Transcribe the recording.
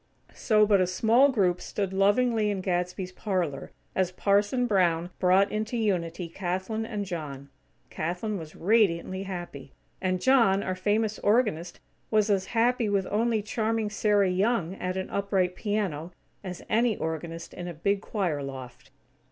So but a small group stood lovingly in Gadsby's parlor, as Parson Brown brought into unity Kathlyn and John. Kathlyn was radiantly happy; and John, our famous organist, was as happy with only charming Sarah Young at an upright piano, as any organist in a big choir loft.